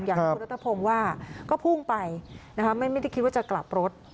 อย่างที่คุณรัฐพงศ์ว่าก็พุ่งไปนะคะไม่ได้คิดว่าจะกลับรถ